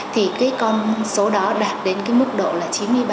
thì cái con số đó đạt đến cái mức độ là chín mươi ba